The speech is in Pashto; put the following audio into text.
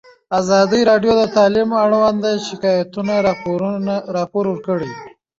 ازادي راډیو د تعلیم اړوند شکایتونه راپور کړي.